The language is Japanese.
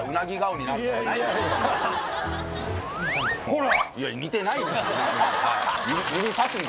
ほら！